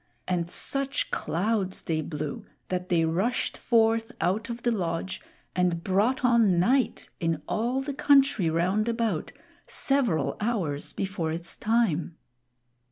And such clouds they blew, that they rushed forth out of the lodge and brought on night in all the country round about, several hours before its time.